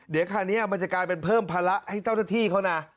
เดี๋ยวคราวนี้มันจะกลายเป็นเพิ่มภาระให้เจ้าหน้าที่เขานะ